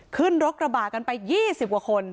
ขึ้นรกระบากันไปยี่สิบกว่าคน